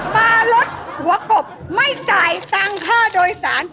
มารถหัวกบไม่จ่ายตังค์ค่าโดยสาร